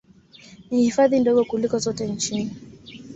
Ni hifadhi ndogo kuliko zote nchini